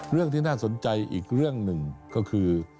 เรื่องที่น่าสนใจอีกเรื่องหนึ่งก็คือ